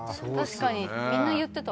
確かにみんな言ってた。